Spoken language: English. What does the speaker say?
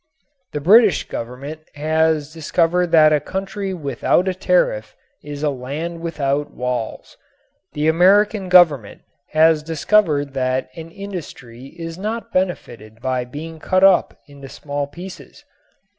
The British Government has discovered that a country without a tariff is a land without walls. The American Government has discovered that an industry is not benefited by being cut up into small pieces.